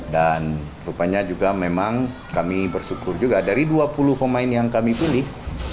dan rupanya juga memang kami bersyukur juga dari dua puluh pemain yang kami pilih